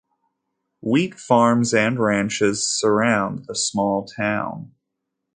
Wheat farms and ranches surround the small town.